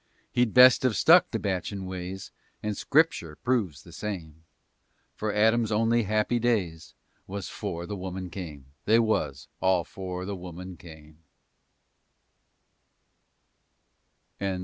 He'd best have stuck to bachin' ways, And scripture proves the same, For Adam's only happy days Was 'fore the woman came, They was, All 'fore the woman came.